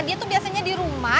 dia tuh biasanya dirumah